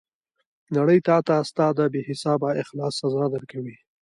نړۍ تاته ستا د بې حسابه اخلاص سزا درکوي.